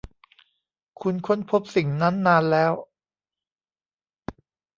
คุณค้นพบสิ่งนั้นนานแล้ว